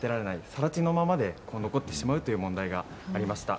更地のままで残ってしまうという問題がありました。